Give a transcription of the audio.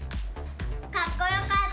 かっこよかった？